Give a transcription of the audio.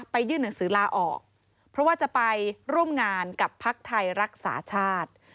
ยื่นหนังสือลาออกเพราะว่าจะไปร่วมงานกับพักไทยรักษาชาติ